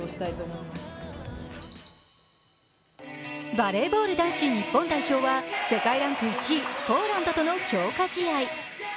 バレーボール男子日本代表は世界ランク１位ポーランドとの強化試合。